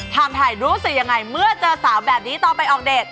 ถ่ายรู้สึกยังไงเมื่อเจอสาวแบบนี้ตอนไปออกเดท